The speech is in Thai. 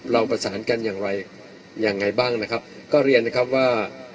เราประสานกันอย่างไรยังไงบ้างนะครับก็เรียนนะครับว่า